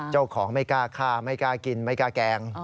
เจ้าของไม่กล้าฆ่าไม่กล้ากินไม่กล้าแกล้ง